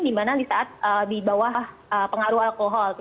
dimana di saat di bawah pengaruh alkohol